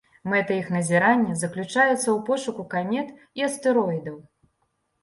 Мэта іх назірання заключаецца ў пошуку камет і астэроідаў.